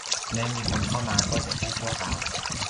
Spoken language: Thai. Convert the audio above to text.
แม้มีคนเข้ามาก็จะแค่ชั่วคราว